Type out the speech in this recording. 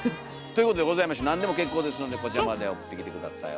ということでございまして何でも結構ですのでこちらまで送ってきて下さい。